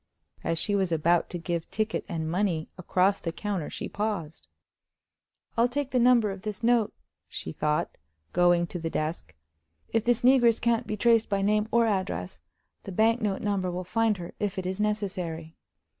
As she was about to give ticket and money across the counter she paused. "I'll take the number of this note," she thought, going to the desk; "if this negress can't be traced by name or address, the bank note number will find her if it is necessary."